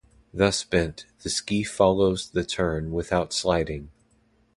Thus bent, the ski follows the turn without sliding.